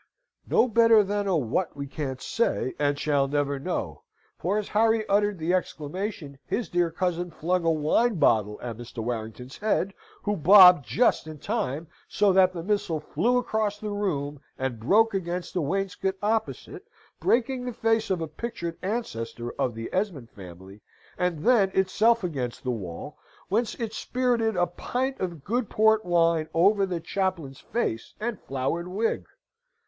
No better than a what we can't say, and shall never know, for as Harry uttered the exclamation, his dear cousin flung a wine bottle at Mr. Warrington's head, who bobbed just in time, so that the missile flew across the room, and broke against the wainscot opposite, breaking the face of a pictured ancestor of the Esmond family, and then itself against the wall, whence it spirted a pint of good port wine over the chaplain's face and flowered wig.